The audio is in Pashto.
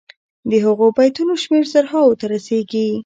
د هغو بیتونو شمېر زرهاوو ته رسيږي.